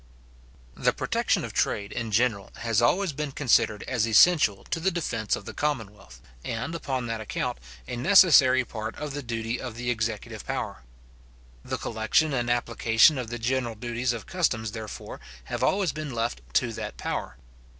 The protection of trade, in general, has always been considered as essential to the defence of the commonwealth, and, upon that account, a necessary part of the duty of the executive power. The collection and application of the general duties of customs, therefore, have always been left to that power.